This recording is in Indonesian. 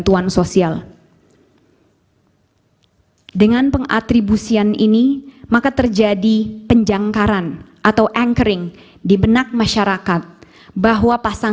hal ketiga pengatribusian presiden joko widodo kepada paslon ii yang terbukti dari pernyataan ketua umum pan